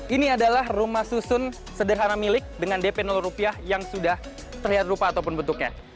ini adalah rumah susun sederhana milik dengan dp rupiah yang sudah terlihat rupa ataupun bentuknya